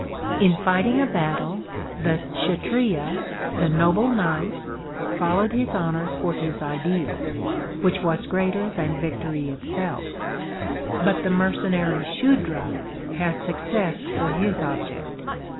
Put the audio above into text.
In fighting a battle, the Kshatriya, the noble knight, followed his honour for his ideal, which was greater than victory itself; but the mercenary Shudra has success for his object.